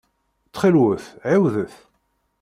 Ttxil-wet ɛiwdet.